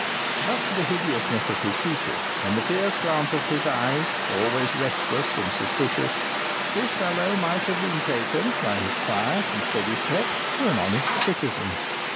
But for the hideousness of his features and the fierce glance of his eyes, always restless and suspicious, this fellow might have been taken, by his quiet and steady step, for an honest citizen.